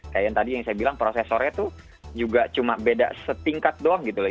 kayak yang tadi yang saya bilang prosesornya tuh juga cuma beda setingkat doang gitu loh